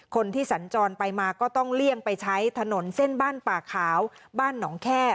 สัญจรไปมาก็ต้องเลี่ยงไปใช้ถนนเส้นบ้านป่าขาวบ้านหนองแค่